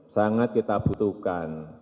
sangat kita butuhkan